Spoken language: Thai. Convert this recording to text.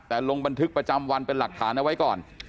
แต่ลงบันทึกประจำวันเป็นหลักฐานเอาไว้ก่อน